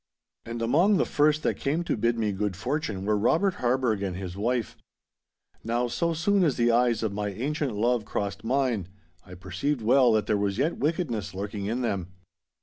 And among the first that came to bid me good fortune were Robert Harburgh and his wife. Now so soon as the eyes of my ancient love crossed mine, I perceived well that there was yet wickedness lurking in them.